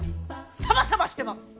サバサバしてます！